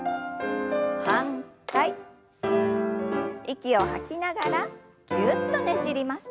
息を吐きながらぎゅっとねじります。